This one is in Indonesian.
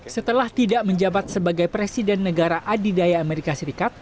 setelah tidak menjabat sebagai presiden negara adidaya amerika serikat